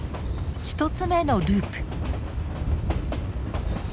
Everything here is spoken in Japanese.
１つ目のループ。